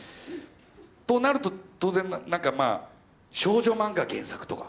となると当然なんかまあ少女漫画原作とかなってくるわけよ。